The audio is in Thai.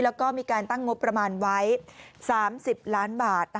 แล้วก็มีการตั้งงบประมาณไว้๓๐ล้านบาท